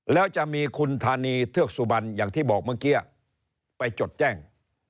แล้วจะมีคุณธานีเทือกสุบันอย่างที่บอกเมื่อกี้ไปจดแจ้ง